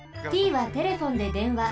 Ｔはテレフォンで電話。